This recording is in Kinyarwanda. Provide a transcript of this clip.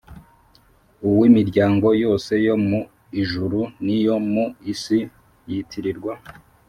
Uw'imiryango yose yo mu ijuru n'iyo mu isi yitirirwa